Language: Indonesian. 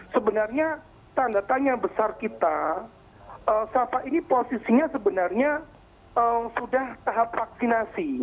sebenarnya tanda tanya besar kita sapa ini posisinya sebenarnya sudah tahap vaksinasi